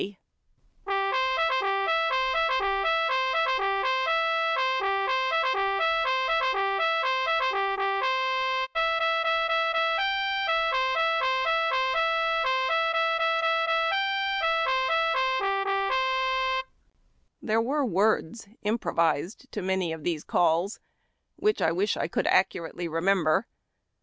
igi^^=iiEr^s=ii^ii^^ii There were words improvised to many of these calls, which I wish I could accurately remember.